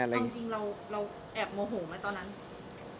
จริงเราแอบโมโหไหมตอนนั้น